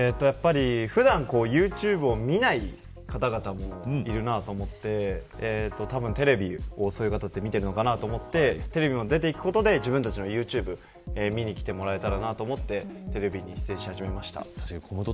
普段ユーチューブを見ない方々もいるなと思ってたぶんテレビをそういう方は見ているのかなと思ってテレビにも出ることで自分たちのユーチューブを見てくれたらなと思ってテレビに出演し始めました。